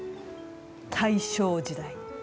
大正時代？